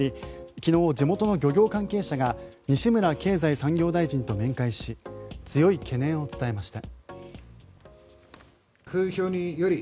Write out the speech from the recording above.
昨日、地元の漁業関係者が西村経済産業大臣と面会し強い懸念を伝えました。